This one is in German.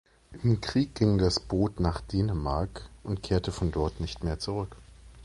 Im Krieg ging das Boot nach Dänemark und kehrte von dort nicht mehr zurück.